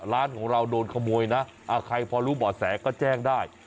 ร้านของเราโดนขโมยนะใครพอรู้บ่อแสก็แจ้งได้